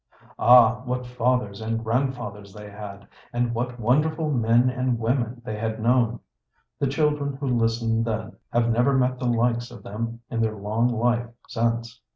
Ah, what fathers and grandfathers they had, and what wonderful men and women they had known! The children who listened then have never met the like of them in their long life since.